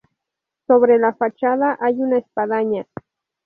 Sobre la fachada hay una espadaña.